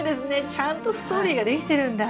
ちゃんとストーリーができてるんだ。